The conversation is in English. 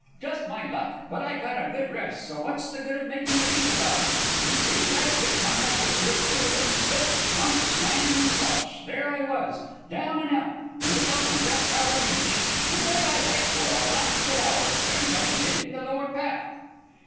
"Just my luck; but I got a good rest, so what's the good of makin' a beef about it? You see, I tripped on that little root there, and slip! slump! slam! and slush! there I was, down and out, and the buckle just out o' reach. And there I lay for a blasted hour, everybody hitting the lower path."